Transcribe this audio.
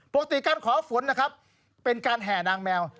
ปกติการขอฝนนะครับเป็นการแห่นางแมว